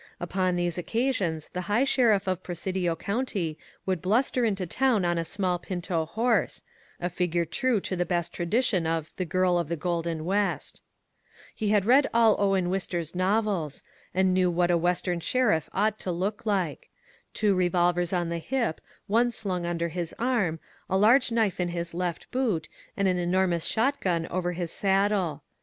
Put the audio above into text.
Upon these occasions the High Sheriff of Presidio County would bluster into town on a small pinto horse, — a figure true to the best tradition of "The Girl of the Golden West." 7 INSURGENT MEXICO He had read all Owen Wister's novels, and knew what a Western sheriff ought to look like: two revolvers on the hip, one slung under his arm, a large knife in his left boot, and an enormous shotgun over his sad dle.